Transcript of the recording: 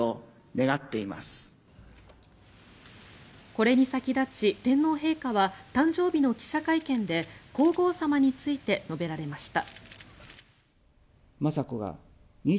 これに先立ち、天皇陛下は誕生日の記者会見で皇后さまについて述べられました。